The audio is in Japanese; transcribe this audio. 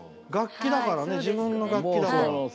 楽器だからね自分の楽器だから。